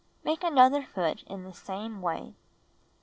Make another foot in the same way.